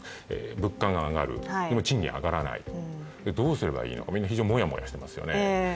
物価が上がるでも、賃金は上がらない、どうすればいいのか、みんな非常にモヤモヤしていますよね。